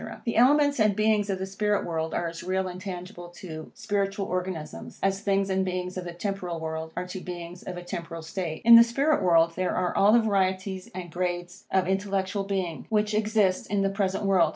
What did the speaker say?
The elements and beings in the spirit world are as real and tangible to spiritual organs, as things and beings of the temporal world are to beings of a temporal state. In this spirit world there are all the varieties and grades of intellectual being, which exist in the present world.